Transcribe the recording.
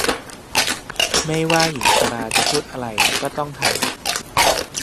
ไม่ว่าหญิงชราจะพูดอะไรก็ต้องทำ